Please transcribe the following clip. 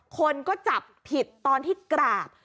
คนก็จับผิดตอนที่กราบ